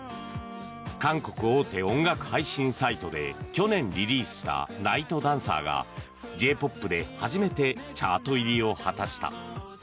韓国大手音楽配信サイトで去年リリースした「ＮＩＧＨＴＤＡＮＣＥＲ」がＪ−ＰＯＰで初めてチャート入りを果たした。